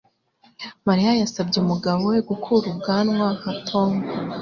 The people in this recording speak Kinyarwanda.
Mariya yasabye umugabo we gukura ubwanwa nka Tom.